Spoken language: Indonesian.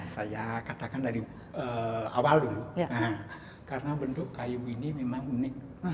saya katakan dari awal dulu karena bentuk kayu ini memang unik